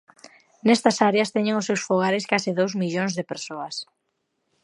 Nestas áreas teñen os seus fogares case dous millóns de persoas.